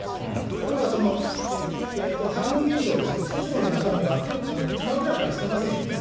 ところが反論を見ると、訴訟の中身をつまびらかにしてませんよね。